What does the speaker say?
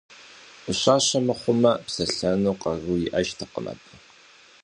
Ӏущащэ мыхъумэ, псэлъэну къару иӀэжтэкъым абы.